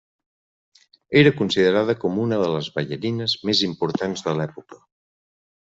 Era considerada com una de les ballarines més importants de l'època.